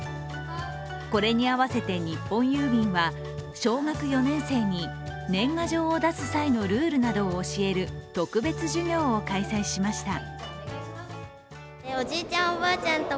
これに合わせて日本郵便は、小学４年生に、年賀状を出す際のルールなどを教える特別授業を開催しました。